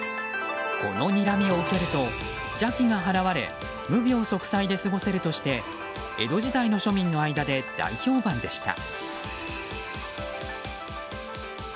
このにらみを受けると邪気が払われ無病息災で過ごせるとして江戸時代の庶民の間で大評判でした。